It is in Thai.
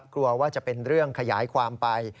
กลัวว่าจะเป็นเรื่องขยายความไป